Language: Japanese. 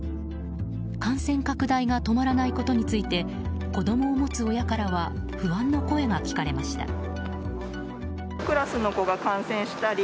感染拡大が止まらないことについて子供を持つ親からは不安の声が聞かれました。